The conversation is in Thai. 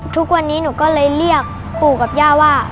ทุกวันนี้หนูก็เลยเรียกปู่กับย่าว่า